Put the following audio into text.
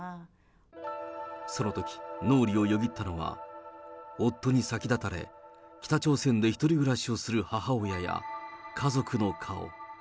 そのとき脳裏をよぎったのは、夫に先立たれ、北朝鮮で１人暮らしをする母親や、家族の顔。